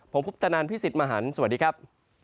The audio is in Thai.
ผมพุทธนันพี่สิทธิ์มหันฯสวัสดีครับ